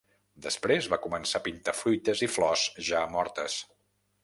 Després, va començar a pintar fruites i flors ja mortes.